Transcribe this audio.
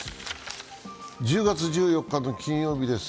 １０月１４日の金曜日です。